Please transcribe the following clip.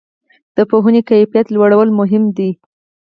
د پوهنې کیفیت لوړول مهم دي؟